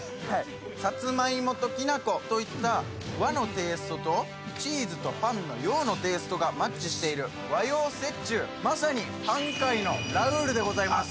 さつまいもときな粉といった和のテイストとチーズとパンの洋のテイストがマッチしている和洋折衷まさにパン界のラウールでございます